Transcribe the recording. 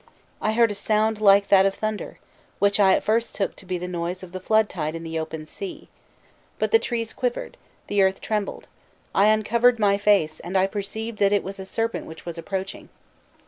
"I heard a sound like that of thunder, which I at first took to be the noise of the flood tide in the open sea; but the trees quivered, the earth trembled. I uncovered my face, and I perceived that it was a serpent which was approaching.